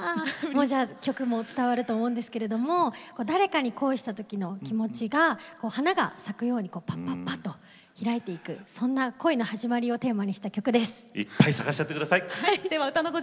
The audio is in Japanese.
曲も伝わると思うんですが誰かに恋した時の気持ちが花が咲くようにぱっぱっと開いていく恋の始まりをテーマにした曲です。